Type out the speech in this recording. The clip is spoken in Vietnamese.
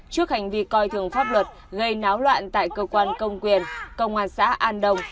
trước hành vi coi thường pháp luật gây náo loạn tại cơ quan công quyền công an xã an đồng